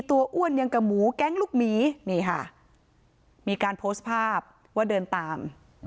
อ้วนยังกับหมูแก๊งลูกหมีนี่ค่ะมีการโพสต์ภาพว่าเดินตาม